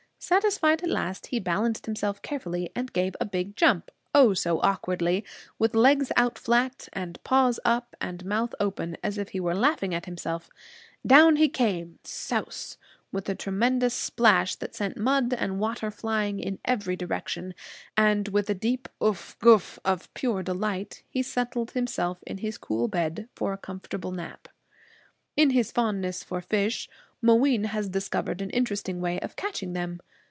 Satisfied at last, he balanced himself carefully and gave a big jump Oh, so awkwardly! with legs out flat, and paws up, and mouth open as if he were laughing at himself. Down he came, souse, with a tremendous splash that sent mud and water flying in every direction. And with a deep uff guff of pure delight, he settled himself in his cool bed for a comfortable nap. In his fondness for fish, Mooween has discovered an interesting way of catching them.